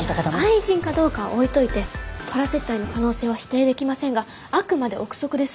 愛人かどうかは置いといて空接待の可能性は否定できませんがあくまで臆測です。